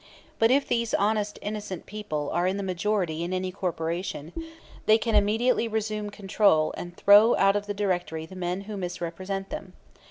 But if these honest innocent people are in the majority in any corporation they can immediately resume control and throw out of the directory the men who misrepresent them.